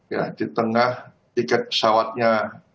ya di tengah tiket pesawatnya